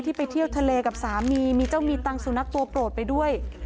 ไปเที่ยวทะเลกับสามีมีเจ้ามีตังสุนัขตัวโปรดไปด้วย